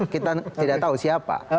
kita tidak tahu siapa